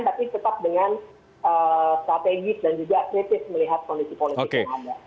tapi tetap dengan strategis dan juga kritis melihat kondisi politik yang ada